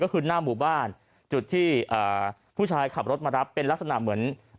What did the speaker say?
ก็คือหน้าหมู่บ้านจุดที่ผู้ชายขับรถมารับเป็นลักษณะเหมือน